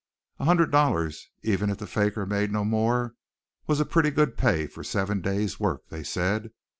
A hundred dollars, even if the faker made no more, was pretty good pay for seven days' work, they said.